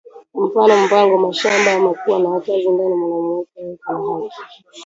Mfano mpango, mashamba ama kuwa na kazi ndani mwanamuke eko na haki